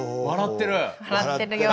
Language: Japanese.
笑ってるよ。